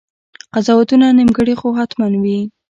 قضاوتونه نیمګړي خو حتماً وي.